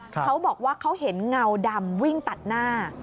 เขาบอกว่าเขาเห็นเงาดำวิ่งตัดหน้า